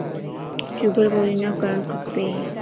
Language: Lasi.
چُگل ڪوري نه ڪرڻ کپ